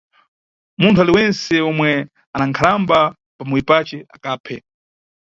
Munthu aliwentse omwe ana nkhalamba pa muyi pace, akaphe.